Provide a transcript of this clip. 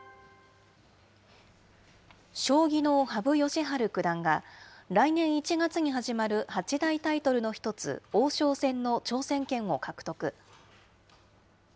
将棋の羽生善治九段が、来年１月に始まる八大タイトルの１つ、王将戦の挑戦権を獲得。